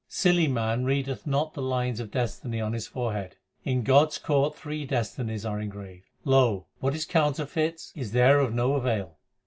Silly man readeth not the lines of destiny on his forehead. In God s court three destinies l are engraved. Lo ! what is counterfeit is there of no avail.